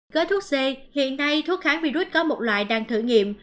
gói thuốc c hiện nay thuốc kháng virus có một loại đang thử nghiệm